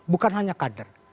bukan hanya kader